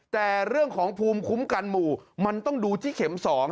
แต่เรื่องของภูมิคุ้มกันหมู่มันต้องดูที่เข็ม๒